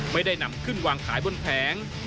ไม่ได้นำขึ้นวางขายบนแผง